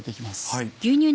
はい。